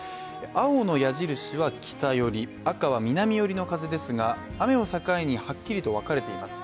青の矢印は北寄り、赤は南寄りの風ですが雨を境にはっきりと分かれています。